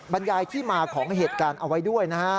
บรรยายที่มาของเหตุการณ์เอาไว้ด้วยนะฮะ